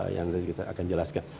yang kita akan jelaskan